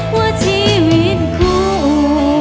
ว่าชีวิตคู่